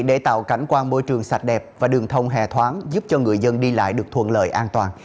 để tạo cảnh quan môi trường sạch đẹp và đường thông hề thoáng giúp cho người dân đi lại được thuận lợi an toàn